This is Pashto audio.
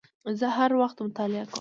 زه هر وخت مطالعه کوم